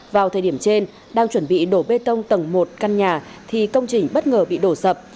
vào thời điểm trên đang chuẩn bị đổ bê tông tầng một căn nhà thì công trình bất ngờ bị đổ sập